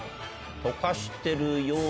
溶かしてるような。